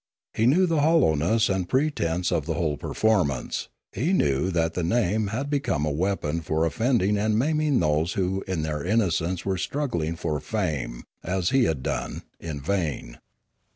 He knew the hollowness and pretence of the whole performance; he knew that the name had be come a weapon for offending and maiming those who in their innocence were struggling for fame, as he had done, in vain.